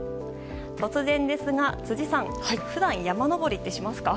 突然ですが、辻さん普段山登りってしますか？